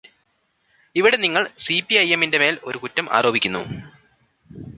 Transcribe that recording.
ഇവിടെ നിങ്ങൾ സിപിഐഎംന്റെ മേൽ ഒരു കുറ്റം ആരോപിക്കുന്നു.